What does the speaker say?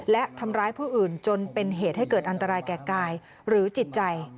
และทำร้ายผู้อื่นจนเป็นเหตุให้เกิดอันตรายแก่กายหรือจิตใจ